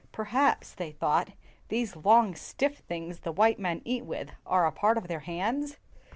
"Per haps," they thought, " these long, stiff things the white men eat with are a part of their hands."